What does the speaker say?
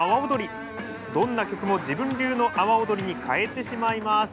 どんな曲も自分流の阿波踊りに変えてしまいます。